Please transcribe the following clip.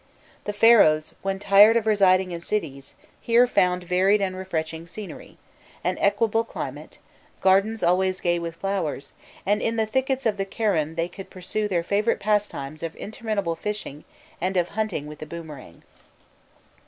The Pharaohs, when tired of residing in cities, here found varied and refreshing scenery, an equable climate, gardens always gay with flowers, and in the thickets of the Kerun they could pursue their favourite pastimes of interminable fishing and of hunting with the boomerang.